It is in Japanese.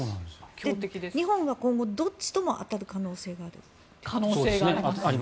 日本は今後、どっちとも当たる可能性がある？